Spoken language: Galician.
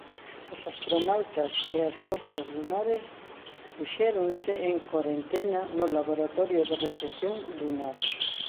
Os astronautas e as mostras lunares puxéronse en corentena no Laboratorio de Recepción Lunar.